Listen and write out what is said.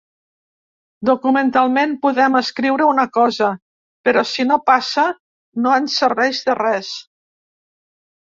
Documentalment podem escriure una cosa, però si no passa, no ens serveix de res.